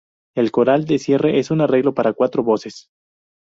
El coral de cierre es un arreglo para cuatro voces.